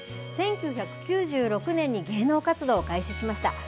１９９６年に芸能活動を開始しました。